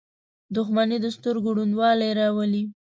• دښمني د سترګو ړندوالی راولي.